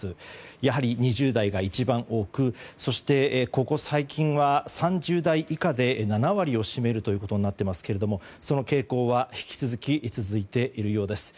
やはり２０代が一番多くそして、ここ最近は３０代以下で７割を占めることになっていますがその傾向は引き続き続いているようです。